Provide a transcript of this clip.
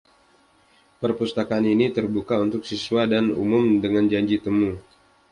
Perpustakaan ini terbuka untuk siswa dan umum dengan janji temu.